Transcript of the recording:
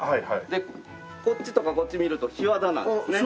でこっちとかこっち見ると檜皮なんですね。